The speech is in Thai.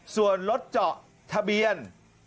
ส่วนรถเจาะทะเบียน